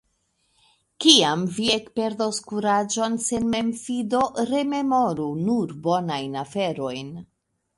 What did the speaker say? Kiam vi ekperdos kuraĝon sen memfido, rememoru nur bonajn aferojn.